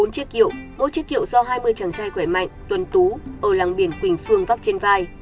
bốn chiếc kiệu một chiếc kiệu do hai mươi chàng trai khỏe mạnh tuần tú ở lăng biển quỳnh phương vắp trên vai